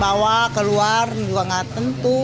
bawa keluar juga nggak tentu